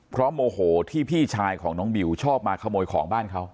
เพราะโมโหที่พี่ชายของน้องบิวชอบมาขโมยของบ้านเขา